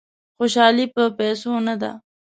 خوشالي په پیسو نه ده.